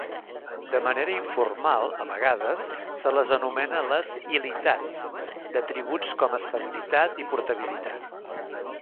De manera informal, a vegades, se les anomena les "ilitats", d'atributs com estabilitat i portabilitat.